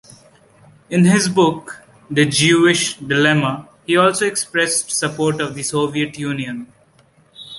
In his book "The Jewish Dilemma", he also expressed support of the Soviet Union.